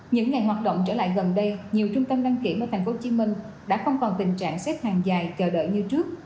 những ngày hoạt động trở lại gần đây nhiều trung tâm đăng kiểm ở tp hcm đã không còn tình trạng xếp hàng dài chờ đợi như trước